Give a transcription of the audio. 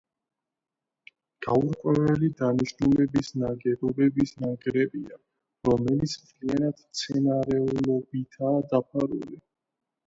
გაურკვეველი დანიშნულების ნაგებობების ნანგრევია, რომელიც მთლიანად მცენარეულობითაა დაფარული.